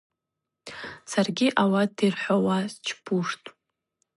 Саргьи ауат йырхӏвауа счпуштӏ.